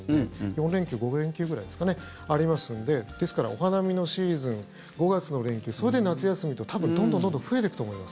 ４連休、５連休くらいですかねありますのでですから、お花見のシーズン５月の連休、それで夏休みと多分どんどん、どんどん増えていくと思います。